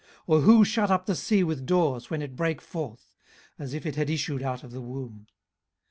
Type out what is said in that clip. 18:038:008 Or who shut up the sea with doors, when it brake forth, as if it had issued out of the womb?